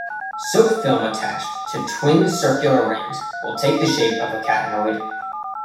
Soap film attached to twin circular rings will take the shape of a catenoid.